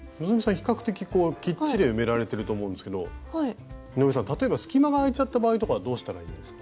比較的こうきっちり埋められてると思うんですけど井上さん例えば隙間が空いちゃった場合とかどうしたらいいんですか？